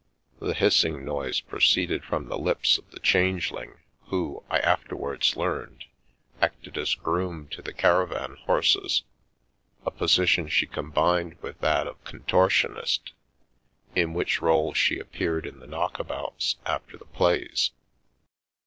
The hissing noise proceeded from the lips of the Changeling who, I afterwards learned, acted as groom to the cara van horses, a position she combined with that of con tortionist, in which role she appeared in the knockabouts after the plays.